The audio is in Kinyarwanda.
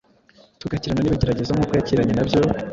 tugakirana n’ibigeragezo nk’uko yakiranye na byo,